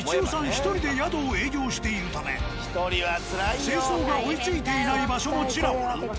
１人で宿を営業しているため清掃が追いついていない場所もちらほら。